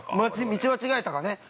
◆道間違えたかね。